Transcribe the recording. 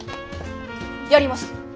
やります！